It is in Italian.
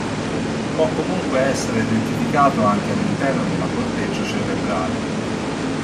Può comunque essere identificato anche all'interno della corteccia cerebrale.